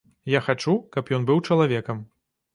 Я хачу, каб ён быў чалавекам.